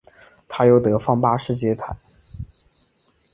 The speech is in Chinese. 他由德范八世接替。